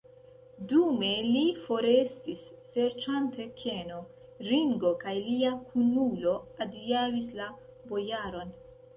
Dume li forestis, serĉante keno, Ringo kaj lia kunulo adiaŭis la bojaron.